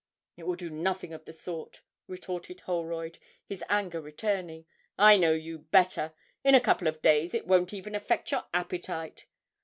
'It will do nothing of the sort!' retorted Holroyd, his anger returning; 'I know you better in a couple of days it won't even affect your appetite!